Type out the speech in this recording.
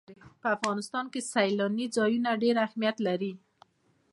په افغانستان کې سیلانی ځایونه ډېر اهمیت لري.